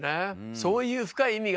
そういう深い意味が。